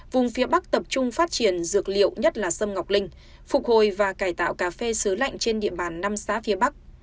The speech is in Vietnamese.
vùng phía bắc tập trung phát triển dược liệu nhất là sâm ngọc linh phục hồi và cải tạo cà phê xứ lạnh trên địa bàn năm xã phía bắc